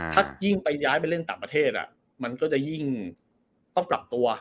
ถ้ายิ่งไปย้ายไปเล่นต่างประเทศมันก็จะยิ่งต้องปรับตัว